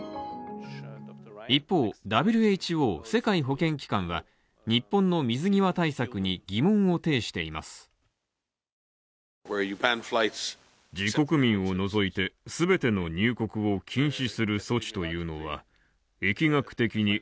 一方、ＷＨＯ＝世界保健機関が日本の水際対策に疑問を呈しています。